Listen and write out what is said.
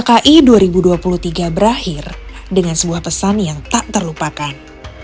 dki dua ribu dua puluh tiga berakhir dengan sebuah pesan yang tak terlupakan